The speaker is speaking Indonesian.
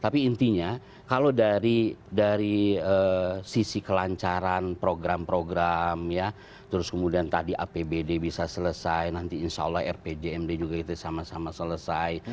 tapi intinya kalau dari sisi kelancaran program program ya terus kemudian tadi apbd bisa selesai nanti insya allah rpjmd juga itu sama sama selesai